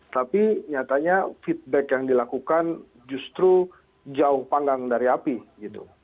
tapi nyatanya feedback yang dilakukan justru jauh panggang dari api gitu